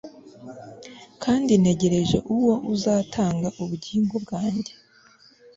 kandi ntegereje uwo uzatanga ubugingo bwanjye